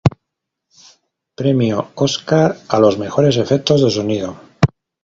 Premio: Oscar a los mejores "efectos de sonido".